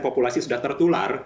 populasi sudah tertular